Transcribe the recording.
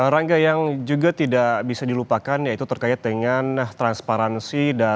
rangga yang juga tidak bisa dilupakan yaitu terkait dengan transparansi